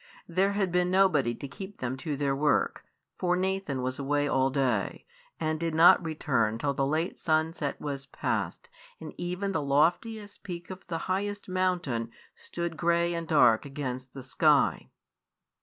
There had been nobody to keep them to their work, for Nathan was away all day, and did not return till the late sunset was past and even the loftiest peak of the highest mountain stood grey and dark against the sky.